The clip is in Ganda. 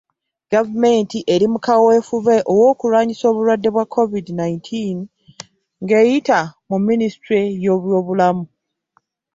Gavumenti eri mu kaweefube w'okulwanyisa obulwadde bwa covid nineteen ng'eyita mu minisitule y'eby'obulamu.